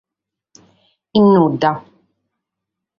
In nudda.